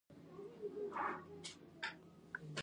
ډیر زړه ور وو او خپل کارونه یې په ډاډه زړه تر سره کول.